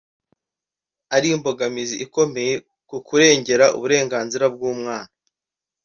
ari imbogamizi ikomeye ku kurengera uburenganzira bw’umwana